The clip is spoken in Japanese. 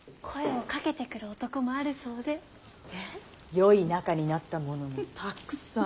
よい仲になった者もたくさん。